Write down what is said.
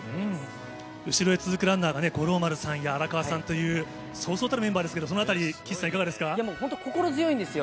後ろへ続くランナーが、五郎丸さんや荒川さんというそうそうたるメンバーですけど、本当、心強いんですよ。